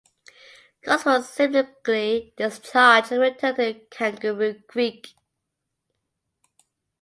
Coutts was subsequently discharged and returned to Kangaroo Creek.